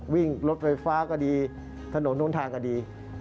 วิ่งรถไฟฟ้าก็ดีถนนนู้นทางก็ดี